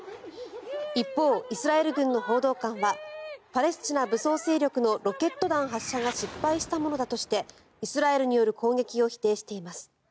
一方、イスラエル軍の報道官はパレスチナ武装勢力のロケット弾発射が失敗したものだとしてイスラエルによる攻撃を否定しています。